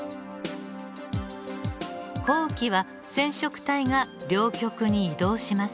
後期は染色体が両極に移動します。